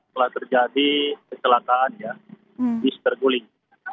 telah terjadi kecelakaan ya bis terguling